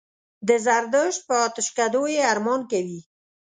د زردشت په آتشکدو یې ارمان کوي.